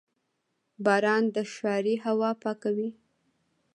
• باران د ښاري هوا پاکوي.